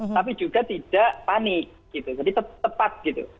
tapi juga tidak panik gitu jadi tepat gitu